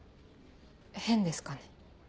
変ですかね？